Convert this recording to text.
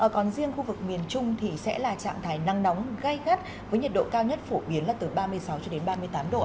còn riêng khu vực miền trung thì sẽ là trạng thái nắng nóng gai gắt với nhiệt độ cao nhất phổ biến là từ ba mươi sáu cho đến ba mươi tám độ